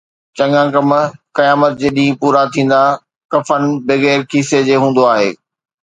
چڱا ڪم قيامت جي ڏينهن پورا ٿيندا، ڪفن بغير کيسي جي هوندو آهي